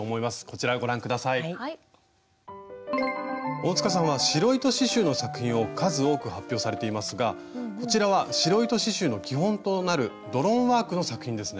大さんは白糸刺しゅうの作品を数多く発表されていますがこちらは白糸刺しゅうの基本となる「ドロンワーク」の作品ですね。